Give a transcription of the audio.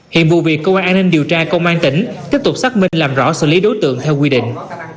hiện vụ việc công an điều tra công an tỉnh tiếp tục xác minh làm rõ xử lý đối tượng theo quy định